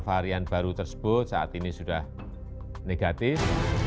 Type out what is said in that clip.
varian baru tersebut saat ini sudah negatif